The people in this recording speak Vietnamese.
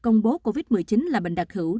công bố covid một mươi chín là bệnh đặc hữu